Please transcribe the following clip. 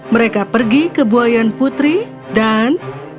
mereka pergi ke buayan putri dan